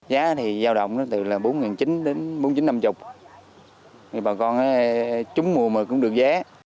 giá thì giao động từ bốn chín trăm linh đến bốn chín trăm năm mươi bà con trúng mùa mà cũng được giá